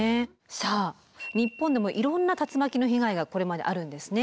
さあ日本でもいろんな竜巻の被害がこれまであるんですね。